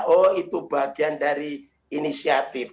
oh itu bagian dari inisiatif